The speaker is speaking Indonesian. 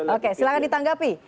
oke silahkan ditanggapi